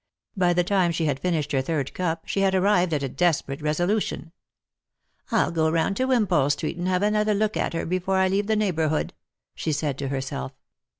By the time she had finished her third cup she had arrived at a desperate resolution. " I'll go round to Wimpole street, and have another look at her before I leave the neighbourhood," she said to herself.